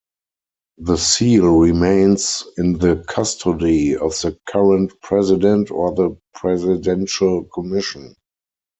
The seal remains in the custody of the current President or the Presidential Commission.